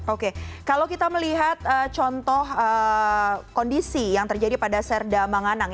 oke kalau kita melihat contoh kondisi yang terjadi pada serda manganang